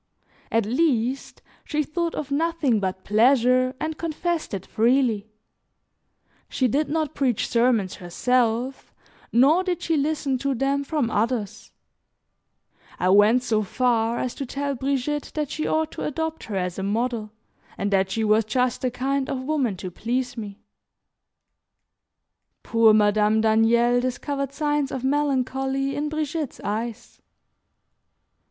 At least, she thought of nothing but pleasure and confessed it freely; she did not preach sermons herself, nor did she listen to them from others; I went so far as to tell Brigitte that she ought to adopt her as a model, and that she was just the kind of woman to please me. Poor Madame Daniel discovered signs of melancholy in Brigitte's eyes.